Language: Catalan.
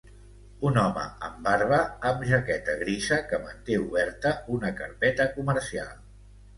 Un home amb barba amb jaqueta grisa que manté oberta una carpeta comercial.